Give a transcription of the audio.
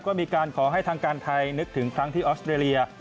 ก็มีการขอให้ทางการไทยนึกถึงครั้งที่ออสเตรเลีย